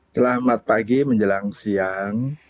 selamat pagi menjelang siang